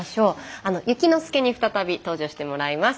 ゆきのすけに再び登場してもらいます。